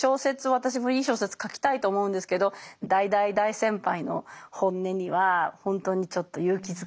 私もいい小説書きたいと思うんですけど大大大先輩の本音には本当にちょっと勇気づけられます。